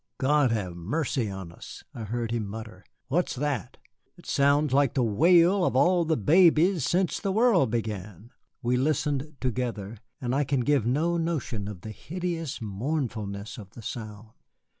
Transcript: "God have mercy on us," I heard him mutter, "what's that? It sounds like the wail of all the babies since the world began." We listened together, and I can give no notion of the hideous mournfulness of the sound.